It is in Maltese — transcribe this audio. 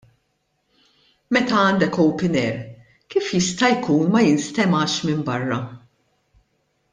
Meta għandek open air, kif jista' jkun ma jinstemax minn barra!